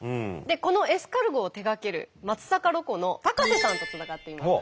このエスカルゴを手がける松阪ロコの高瀬さんとつながっています。